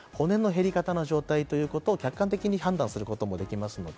骨の減り方の状態ということを客観的に判断することもできます。